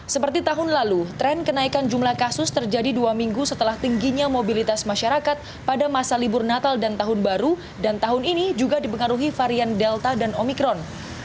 seperti tahun lalu tren kenaikan jumlah kasus terjadi dua minggu setelah tingginya mobilitas masyarakat pada masa libur natal dan tahun baru dan tahun ini juga dipengaruhi varian delta dan omikron